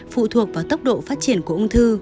phụ thuộc vào tốc độ phát triển của ung thư